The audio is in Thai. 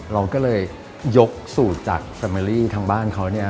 เราก็เลยยกสูตรจากแฟมิลี่ทางบ้านเขา